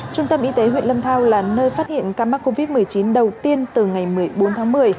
trung tâm y tế huyện lâm thao là nơi phát hiện ca mắc covid một mươi chín đầu tiên từ ngày một mươi bốn tháng một mươi